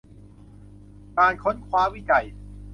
งานค้นคว้าวิจัย